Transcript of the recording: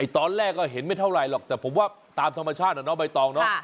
ตอนแรกก็เห็นไม่เท่าไรหรอกแต่ผมว่าตามธรรมชาติใบตอง